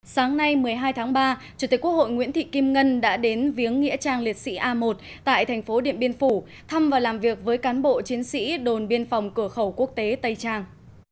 sáng nay một mươi hai tháng ba chủ tịch quốc hội nguyễn thị kim ngân đã đến viếng nghĩa trang liệt sĩ a một tại thành phố điện biên phủ thăm và làm việc với cán bộ chiến sĩ đồn biên phòng cửa khẩu quốc tế tây trang